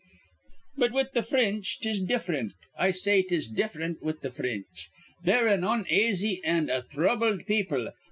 "But with th' Fr rinch 'tis diff'rent. I say 'tis diffrent with th' Fr rinch. They're an onaisy an' a thrubbled people.